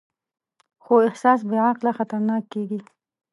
خو احساس بېعقله خطرناک کېږي.